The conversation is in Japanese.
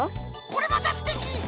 これまたすてき！